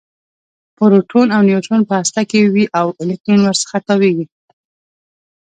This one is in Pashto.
پروټون او نیوټرون په هسته کې وي او الکترون ورڅخه تاویږي